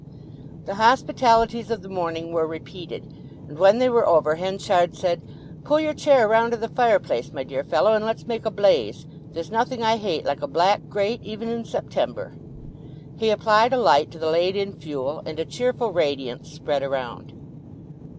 The hospitalities of the morning were repeated, and when they were over Henchard said, "Pull your chair round to the fireplace, my dear fellow, and let's make a blaze—there's nothing I hate like a black grate, even in September." He applied a light to the laid in fuel, and a cheerful radiance spread around.